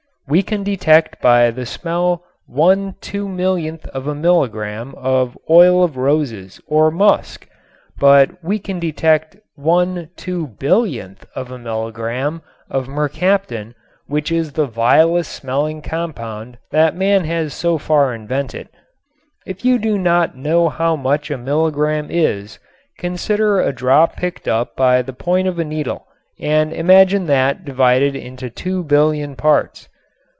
We can detect by the smell one two millionth of a milligram of oil of roses or musk, but we can detect one two billionth of a milligram of mercaptan, which is the vilest smelling compound that man has so far invented. If you do not know how much a milligram is consider a drop picked up by the point of a needle and imagine that divided into two billion parts.